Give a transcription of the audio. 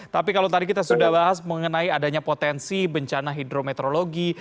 tapi kalau tadi kita sudah bahas mengenai adanya potensi bencana hidrometeorologi